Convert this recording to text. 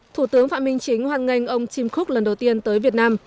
thủ tướng phạm minh chính hoan nghênh ông tim cook lần đầu tiên tới việt nam